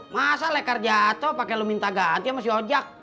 masa lekar jatuh pakai lo minta ganti sama si ojak